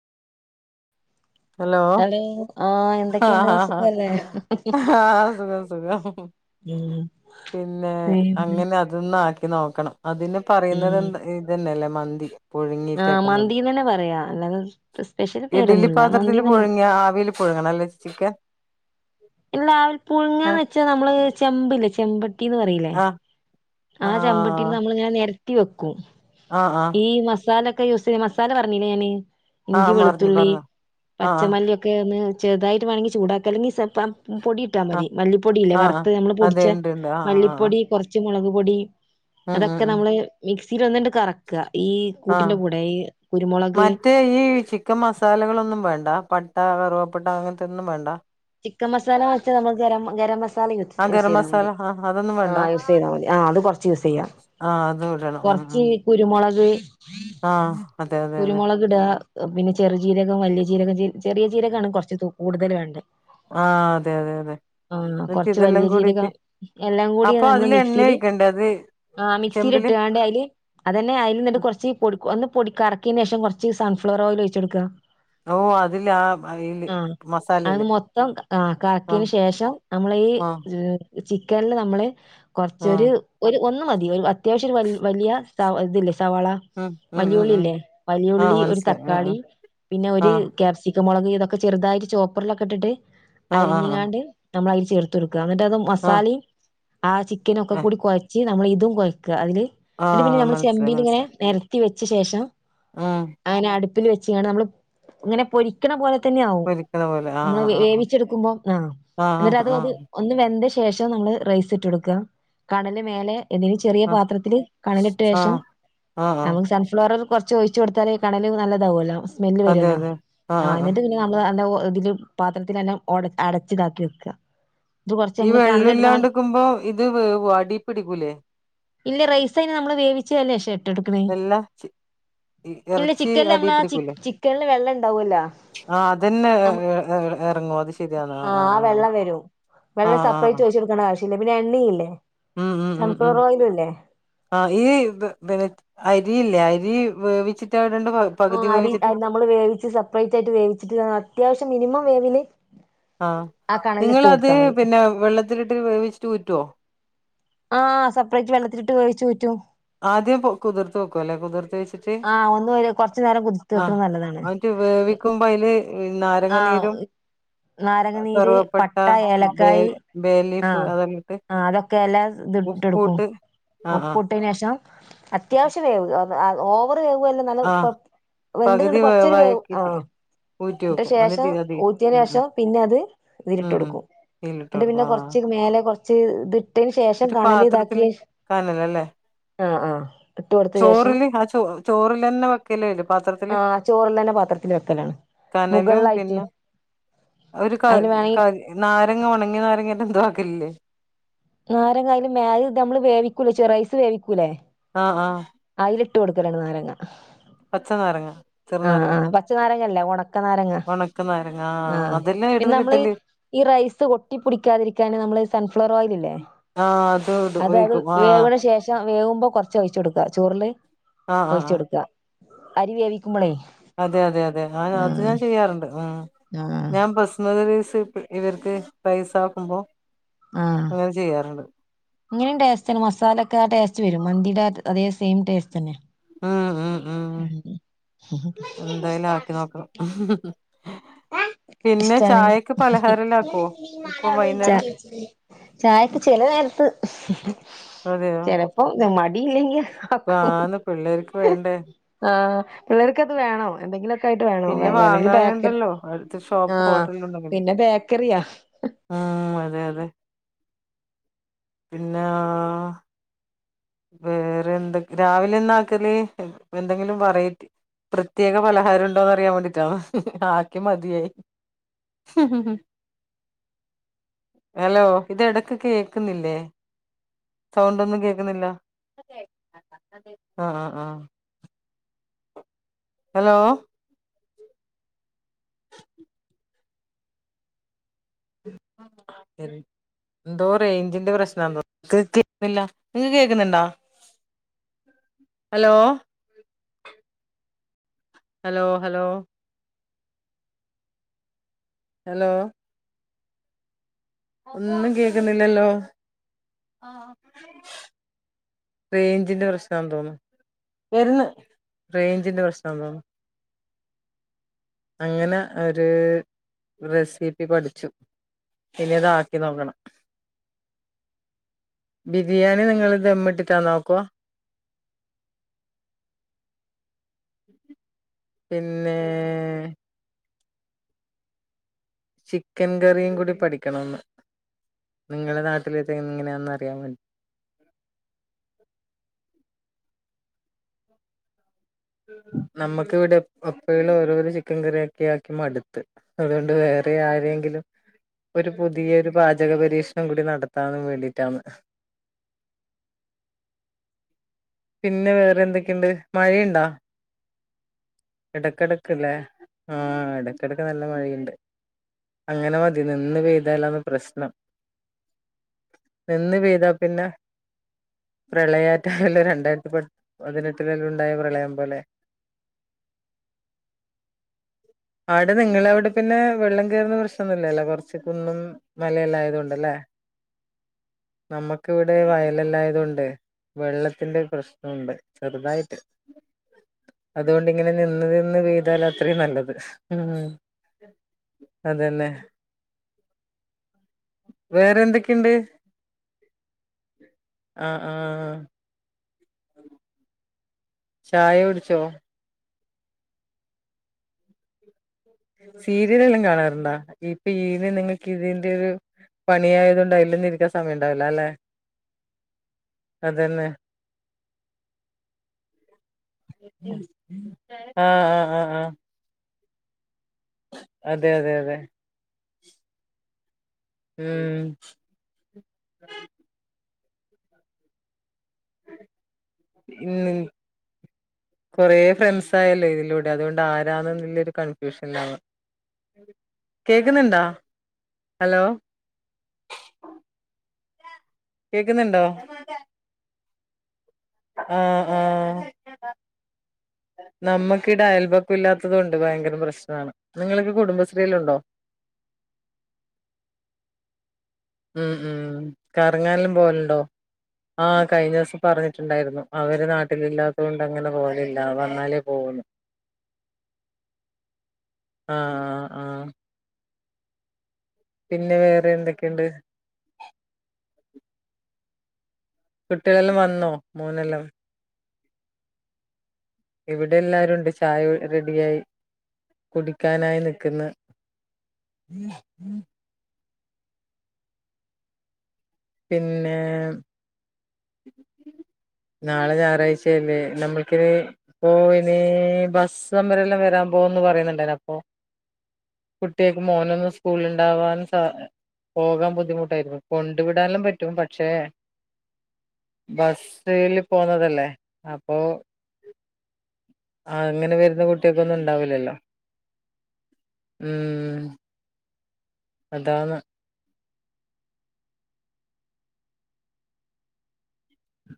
Hello ആഹ് എന്തൊക്കെയുണ്ട് ആഹ് സുഖല്ലേ ആഹ് സുഖം സുഖം ഉം പിന്നെ പിന്നെ അങ്ങനെ അത് ഇതന്ന ആക്കി നോക്കണം അതിന് പറയുന്ന ഉം എന്ത ഇതന്നെ അല്ലേ മന്തി- പുഴുങ്ങീട്ട് ആഹ് ആക്കുന്നത് മന്തിന്ന് തന്നെ പറയാ അല്ലാതെ സ്പെഷ്യൽ പേരൊന്നുല്ല. പത്രത്തില് മന്തീന്നന്നെ പുഴുങ്ങിയ ആവില് പുഴുങ്ങണല്ലേ ചിക്കൻ- ഇല്ല ആ ഒരു ഏ പുഴുങ്ങാൻ വെച്ച നമ്മള് ചെമ്പില്ലേ ചെമ്പട്ടിന്ന് പറയിലേ ആ ആ ചെമ്പട്ടിന്ന് നമ്മളിങ്ങനെ നിരത്തി വെക്കും- ആഹ് ആഹ്. ഈ മസാലൊക്കെ യൂസ് ചെയ മസാല പറഞ്ഞില്ലേ ഞാന് ആ ഇഞ്ചി മറിഞ്ഞു വെളുത്തുള്ളി പറഞ്ഞോ ആ പച്ചമല്ലിയൊക്കെ ക്കെ ഒന്ന് ചെറതായിട്ട് വേണെൽ ചൂടാക്കാ അല്ലെങ്കിൽ സെ പ പൊടി ട്ടാൽ ആ മതി മല്ലിപ്പൊടിയില്ലേ ആ ആ വറുത്ത് നമ്മൾ അതെ പൊടിച്ച ഉണ്ട് ഉണ്ട് ആ ആ ആ മല്ലിപ്പൊടി കുറച്ച് പച്ച മുളക് പൊടി ഉം ഉം അതൊക്കെ ഉം നമ്മള് മിക്സിൽ ഒന്നിണ്ട് കറക്കുക ഈ ആഹ് കൂട്ടിന്റെ കൂടെ ഈ കുരുമുളക് മറ്റേ ഈ ചിക് ചിക്കൻ മസാലകളൊന്നും വേണ്ട പട്ട കറുവപ്പട്ട അങ്ങനത്തെ ഒന്നും വേണ്ട- ചിക്കൻ മസാലന്ന് വെച്ച നമ്മ ഗരം ഗരം മസ് മാല ആ യൂസ് ഗരം ചെയ്താ മസാല മതി ആ അതൊന്നും ആഹ് യൂസ് വേണ്ട ചെയ്താൽ മതി ആഹ് അത് കൊറച്ച് യൂസ് ചെയ്യാം. ആഹ് അത് വിടണം ഉം കൊറച്ച് ഉം കുരുമുളക് ആഹ് അതെ അതെ അതെ കുരുമുളക് ഇടുക പിന്നെ ചെറു ചീരകം വലിയ ചീരകം ചെറിയ ചീരകം ആണ് കുറച്ച് കൂടുതൽ വേണ്ടേ ആഹ് അതെ അതെ അതെ. ആഹ് എന്നിട്ട് കൊറച്ച് ഇതെല്ലാം വലിയ ചീരക കൂടിട്ട് എല്ലാം കൂടി അപ്പൊ നമ്മള് അതില് എണ്ണ മിക്സിയില് ഒഴിക്കണ്ടേ അത് ആഹ് മിക്സിൽ ചെമ്പില് ഇട്ട്കണ്ട് അയില് അതന്നെ അതിൽ നിന്നിട്ട് കുറച്ച് പൊടി ഒന്ന് പൊടിക്കറക്കിയതിന് ശേഷം കുറച്ച് സൺഫ്ലവർ ഓയിൽ ഒഴിച്ചുകൊടുക്കുക. ഓ അതില് ആ അയില് ആഹ് മസാലയില് അതന്ന് മൊത്തം ആഹ് ആഹ് കറക്കിയന് ശേഷം നമ്മളീ ആഹ് ചിക്കനില് നമ്മള് കൊറച്ചൊരു ആഹ് ഒരു ഒന്ന് മതി ഒരു അത്യാവശ്യം ഒരു വലിയ സ ഇതില്ലേ സവാള ഉം ഉം വല്ലിയ ഉം ഉം ഉളില്ലേ? ആഹ് വല്ല്യുള്ളി ഒരു മനസ്സിലായി ഉം തക്കാളി ഉം പിന്നെ ഒരു ആഹ് ക്യാപ്സിക്ക മുളക് ഇതൊക്കെ ചെറുതായിട്ട് ചോപ്പറിലൊക്കെ ഇട്ടിട്ട് ആഹ് ആഹ് ആഹ് അരിഞ്ഞങ്ങാണ്ട്. നമ്മള അതിൽ ചേർത്ത് കൊടുക്കുക എന്നിട്ട് അത് ആഹ് മസാലയും ആ ചിക്കന ഒക്കെ ഏഹ് കൂടി കൊഴച്ച് നമ്മൾ ഇതും കൊയ്ക്കുക അതില് പിന്നെ ആഹ് നമ്മൾ മനസ്സിലായി ചെമ്പിൽ ഇങ്ങനെ നിരത്തി വെച്ച ശേഷം ആഹ്. അങ്ങനെ അടുപ്പിൽ വെച്ചുകാണ് നമ്മള് ഇങ്ങനെ പൊരി ക്കണ പോലെ തന്നെയ ആവും പൊരിക്കണ പോലെ ആഹ് നമ്മള് ആഹ് വേവിച്ചെടുക്കുമ്പോം ആഹ് എന്നിട്ട് ആഹ് അത് അത് ആഹ് ഒന്ന് വെന്ത ശേഷം നമ്മള് റൈസ് ഇട്ട് കൊടുക്കുക കനല് മേലെ [unintelligible] ചെറിയ ആഹ് പാത്രത്തിൽ കണലിട്ട ശേഷം ആഹ് ആഹ് ആഹ് നമുക്ക് സൺഫ്ലോർ കൊറച്ച് ഒഴിച്ച് കൊടുത്താൽ കണൽ നല്ലതാവല്ലോ. സ്മെല് വരല്ലോ ആഹ് എന്നിട്ട് പിന്നെ നമ്മള് ല്ല ഒ ഇതില് പാത്രത്തിൽ നല്ലം ഒ അടച്ചിതാക്കി വെക്ക. ഈ വെള്ളം ഇല്ലാണ്ട്ക്കുമ്പോ ഇത് വേവോ അടിപ്പിടിക്കൂലേ? ഇല്ല റൈസ അയ്ന് നമ്മള് വേവിച്ചല്ലേ ശേ ഇട്ട് കൊടുക്കണേ എല്ലാ ചി ഇല്ല എറച്ചി ചിക്കനില് അടി നമ്മള് ആ ചി പിടിക്കൂല്ലേ ചിക്കനില് വെള്ളം ഉണ്ടാവൂല്ലോ ആഹ് അതന്നെ നമ്മ ഏ എ എറങ്ങുവതി ആഹ് വെള്ളം വരും ആ ആ വെള്ളം ആ ആ സപ്രേറ്റ് ഒഴിച്ചോ ക്കണ ആവശ്യല്ല പിന്നെ എണ്ണില്ലേ സൺഫ്ലവർ ഓയിലും ല്ലേ ആഹ് ഈ ബേ ബേ അരിയില്ലെ അരി വേവിച്ചിട്ട ഇടെണ്ടപാ ആഹ് അരി അ നമ്മള് വേവിച്ച് സെപ്പറേറ്റ് ആയിട്ട് വേവിച്ചിട്ട് അത്യാവശ്യം മിനിമം വേവില് ആഹ് ആ കണലിലിട്ട് നിങ്ങളത് കൊടുത്താൽ മതി പിന്നെ വെള്ളത്തിലിട്ട് വേവിച്ചിട്ട് ഊറ്റോ ആഹ് സെപ്പറേറ്റ് വെള്ളത്തിലിട്ട് വേവിച്ചു ഊറ്റും ആദ്യം കു കുതിർത്ത് വെക്കുല്ലെ കുതിർത്ത് വെച്ച് ആഹ് ഒന്നു കൊറച്ച് നേരം കുതിത്ത് വെക്ക്ണ നല്ലതല്ലേ എന്നിട്ട് വേവിക്കുമ്പോ അയില് ആ നാരങ്ങനീരും നാരങ്ങ നീര് കറുവപ്പട്ട പട്ട ബേ ബേലീഫ് അതല്ലിട്ട് ആഹ് അതൊക്കെ എല്ലാം ഇത് ഇട്ടെടുക്കും ആ ആ ഉപ്പ് ഇട്ടീനേഷം അത്യാവശ്യം വേവ് ഓവർ വേവുല്ല നല്ല ആ കൊ വെന്ത് പകുതി ഇങ്ങണ്ട് കൊറച്ചരു വേവു വേവാക്കിട്ട് ആഹ് ഊറ്റി ട്ട വെക്കും ശേഷം എന്നിട്ട് അതി ഊറ്റിയന് ഉം ഉം ശേഷം പിന്നെ അത് ഇതിലിട്ട് ഉം ഉം കൊടുക്കും തീയിലിട്ട് ന്ന്ട്ട് കൊടുക്കും പിന്നെ ആഹ് കൊറച്ച് മേലെ കുറച്ച് ഇത് ഇട്ടേന് ശേഷം ഒരു കണല് ഇതാക്കി പാത്രത്തില് കനലല്ലേ ആഹ് ആഹ് ഇട്ട് കൊടുത്ത ശേഷം ചോറ് ലന്നെ വെ കിലോ ഇല്ല പാത്രത്തില് ആഹ് ചോറെല്ലാം തന്നെ പാത്രത്തിൽ വെക്കലാണ് കനലും മുകളിലായിട്ട് പിന്നെ ഒരു ക അതിന് വേണെങ്കി ക നാരങ്ങ ഉണങ്ങി നാരങ്ങല്ല എന്തോ ആക്കലില്ലേ നാരങ്ങ അയില് മേയുംത് നമ്മള് വേവിക്കൂലെ ചെ റൈസ് വേവിക്കൂലേ ആഹ് ആഹ് അയ്ല് ഇട്ട് കൊടുക്കലാണ് നാരങ്ങ പച്ച നാരങ്ങ ആഹ് ചെറുനാരങ്ങ ആഹ് പച്ചനാരങ്ങ അല്ല ഒണ ക്ക നാരങ്ങ ഒണക്ക നാരങ്ങ ആഹ് അതെല്ലാം പിന്നെ എവിടുന്ന് നമ്മള്ഈ കിട്ടല് ഈ റൈസ് ഒട്ടിപ്പിക്കാതിരി ക്കാൻ നമ്മള് സൺഫ്ലവർ ഓയില് ല്ലേ ആഹ് അത് ഇട് അത് അത് ഒഴിക്കും ആഹ് വേവ്ണ ശേഷം വേവുമ്പോ കൊറച്ച് ഒഴിച്ച് കൊടുക്ക ചോറ് ള് ആഹ് ആഹ് ആഹ് ഒഴിച്ചെടുക്ക അരി വേവിക്കുമ്പോളേ അതെ അതെ അതെ ആഹ് അത് ഞാൻ ചെയ്യാറുണ്ട് ഉം ആഹ് ഞാമം പ്ല സ്മറവേസ് ഇവർക്ക് പൈസ ആക്കുമ്പോ അങ്ങനെ ചെയ്യാറുണ്ട് ഇങ്ങനേം ടേസ്റ്റ് ആണ് മസാലൊക്കെ ആഹ് ടെസ്റ്റ് വെരും മന്തിയുടെ അതേ സെയിം ടേസ്റ്റന്നെ ആഹ് ആഹ് ആഹ് എന്തായാലും ആക്കി നോക്കണം പിന്നെ ഇഷ്ട്ടാണ് ചായക്ക് പലഹാരല്ലാക്കുവോ ഇപ്പൊ ച്ച വൈകുന്നേരം ചായക്ക് ചെല നേരത്ത് ചെലപ്പോ മടിയില്ലെങ്കി ഇപ്പ ആക്കും ആന്ന് പിള്ളേർക്ക് വേണ്ടേ ആഹ് പിള്ളേർക്ക് അത് വേണം എന്തെങ്കിലോക്കെ ആയിട്ട് വേണം പിന്നെ അല്ലെങ്കിൽ ബേക്കറി വാങ്ങാനുണ്ടല്ലോ അടുത്ത് ഷോപ്പ് ആഹ് ഹോട്ടലന്തെങ്കിലും പിന്നെ ബേക്കറിയാ ആഹ് അതെ അതെ പിന്നെ വേറെ എന്ത രാവിലെന്ന ആക്കല് എന്തെങ്കിലും വെറൈറ്റി പ്രത്യേക പലഹാരം ഉണ്ടോന്ന് അറിയാൻ വേണ്ടീട്ടാണ് ആകെ മതിയായി ഹലോ ഇത് എടക്ക് കേക്ക്ന്നില്ലേ സൗണ്ടൊന്നും കേക്ക്ന്ന്ല്ല ആഹ് ആഹാ ഹലോ [inaudible] എന്തോ റൈഞ്ചിന്റെ പ്രശ്നാന്ന് തോന്നുന്നു കേക്കുന്നില്ല നിങ്ങക്ക് കേക്കുന്ന്ണ്ടോ ഹലോ ഹലോ ഹലോ ഹലോ ഒന്നും കേക്ക്ന്നില്ലല്ലോ റൈഞ്ചിന്റെ പ്രശ്നാ തോന്ന്ന്നു വര്ന്ന് റൈഞ്ചിന്റെ പ്രശ്നാ തോന്ന്ന്നു അങ്ങനെ ഒര് റെസിപ്പി പഠിച്ചു ഇനിയതാക്കി നോക്കണം ബിരിയാണി നിങ്ങള് ദമ്മിട്ടാണൊ ആക്കുവാ പിന്നേ ചിക്കൻ കറിയും കൂടി പഠിക്കണംന്ന് നിങ്ങളെ നാട്ടിലത്തെ എങ്ങനെയാന്ന് അറിയാൻ വേണ്ടി നമ്മക്ക് ഇവ്ടെ അപ്പേള് ഓരോരോ ചിക്കൻ കറിയാക്കി ആക്കി മട്ത്ത് അതോണ്ട് വേറെ ആരേങ്കിലും ഒരു പുതിയൊരു പാചക പരീക്ഷണം കൂടി നടത്താന്ന് വേണ്ടിയിട്ടാണ് പിന്നെ വേറെ എന്തക്കെണ്ട് മഴയ്ണ്ടാ എടക്ക്ടക്ക്ല്ലേ ആഹ് എടക്ക്ടക്ക് നല്ല മഴയിണ്ട്. അങ്ങനെ മതി നിന്ന് പെയ്താലാന്ന് പ്രശ്നം നിന്ന് പെയ്താ പിന്നെ പ്രളയാറ്റല്ല രണ്ടായിരത്തി പതിനെട്ടിലെല്ലുണ്ടായ പ്രളയം പോലെ ആടെ നിങ്ങള അവിടെ പിന്നെ വെള്ളം കേറുന്ന പ്രശ്നം ഒന്നും ഇല്ലല്ലോ കൊറച്ച് കുന്നും മലയല്ലായാതോണ്ട്ല്ലേ നമ്മക്ക് ഇവിടെ വയലല്ലായതോണ്ട് വെള്ളത്തിന്റെ പ്രശ്നുണ്ട് ചെറുതായിട്ട് അതുകൊണ്ട് ഇങ്ങനെ നിന്ന് നിന്ന് പൈതാല് അത്രയും നല്ലത് ഉം അതന്നെ വേറെ എന്തെക്കെണ്ട് ആഹ് ആഹ് ഉ ചായ കുടിച്ചോ സീരിയല് എല്ലം കാണാറുണ്ടാ. ഇപ്പ ഈത് നിങ്ങക്ക് ഇതിന്റെ ഒരു പണിയായത് കൊണ്ട് അയിലൊന്നു ഇരിക്കാൻ സമയം ഉണ്ടാവില്ല അല്ലെ അതന്നെ ആഹ് ആഹ അതെ അതെ അതെ ഉം ഇന്ന് കുറേ ഫ്രണ്ട്സ് ആയല്ലോ ഇതിലൂടെ അതുകൊണ്ട് ആരാണ്ന്ന് ല്ലരു കൺഫ്യൂഷനിലാണ് കേക്ക്ന്ന്ണ്ടോ ഹലോ കേക്ക്ന്ന്ണ്ടോ ആഹ് ആഹ് നമ്മക്കിടെ അയൽബക്ക ഇല്ലാത്തതുകൊണ്ട് ഭയങ്കര പ്രശ്നാണ് നിങ്ങളൊക്കെ കുടുംബശ്രീല് ഉണ്ടോ ഉം ഉം കറങ്ങാനല്ലും പോവല്ണ്ടോ ആഹ് കഴിഞ്ഞൂസം പറഞ്ഞിട്ട്ണ്ടായിരുന്നു അവര് നാട്ടിലില്ലാത്തോണ്ട് അങ്ങനെ പോവലില്ല വന്നാല് പോവുന്ന് ആഹ് ആഹ്. പിന്നെ വേറെ എന്തക്കെണ്ട്? കുട്ടികള്‌ വന്നോ മോനെല്ലോ ഇവിടെ എല്ലരുണ്ട് ചായ റെഡിയായി കുടിക്കാനായി നിക്ക്ന്ന്. പിന്നെ നാളെ ഞാറാഴ്ചയല്ലേ നമ്മൾക്കിനി പ്പോ ഇനീ ബസ്സമരെല്ലാം വരാ പോ ന്ന് പറയ്ന്ന്ണ്ടായിനീ അപ്പൊ കുട്ട്യാക്ക് മോനൊന്ന് സ്കൂള് ണ്ടാവാൻ സ പോകാൻ ബുദ്ധിമുട്ടായ്രുന്നു കൊ ണ്ട്‌വിടാലും പറ്റും പക്ഷെ ബസ്സില് പോന്നതല്ലേ അപ്പൊ ആഹ് അങ്ങനെ വര്ന്ന കുട്ട്യാക്കൊന്നും ണ്ടാവൂലല്ലോ. ഉം അതാന്ന്.